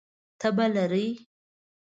تبه لرئ؟